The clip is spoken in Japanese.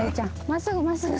まっすぐまっすぐ。